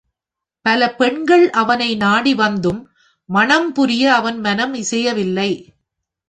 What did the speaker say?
பல பெண்கள் அவனை நாடி வந்தும், மணம்புரிய அவன் மனம் இசையவில்லை.